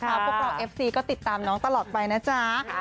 พวกเราเอฟซีก็ติดตามน้องตลอดไปนะจ๊ะ